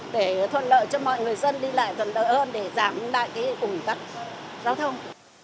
để thuận lợi cho mọi người dân đi lại thuận lợi hơn để giảm lại cái ủng tắc giao thông